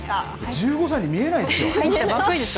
１５歳に見えないですよ。